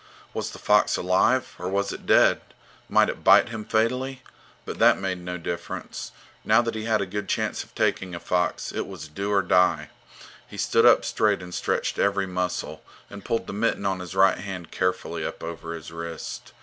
Was the fox alive, or was it dead? Might it bite him fatally? But that made no difference. Now that he had a good chance of taking a fox, it was do or die. He stood up straight and stretched every muscle, and pulled the mitten on his right hand carefully up over his wrist.